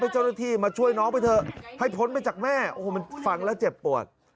เจ้าหน้าที่มาช่วยน้องไปเถอะให้พ้นไปจากแม่โอ้โหมันฟังแล้วเจ็บปวด